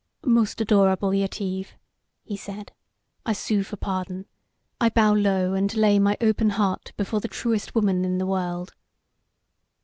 "Most adorable Yetive," he said; "I sue for pardon. I bow low and lay my open heart before the truest woman in the world."